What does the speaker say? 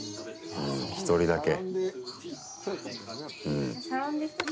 １人だけ。